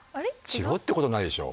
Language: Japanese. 違うってことないでしょ。